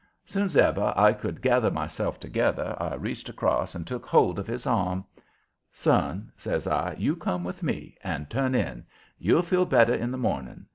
Soon's ever I could gather myself together I reached across and took hold of his arm. "Son," says I, "you come with me and turn in. You'll feel better in the morning.